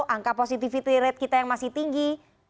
angka positivity rate kita yang masih tinggi